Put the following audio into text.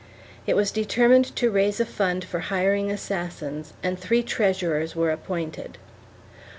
It was determined to raise a fund for hiring assassins and three treasurers were appointed.